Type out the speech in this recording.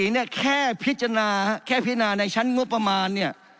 ๑๔๔เนี่ยแข่พิจารณาในชั้นงวประมาณ